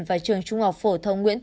và trường trung học phổ thông nguyễn tử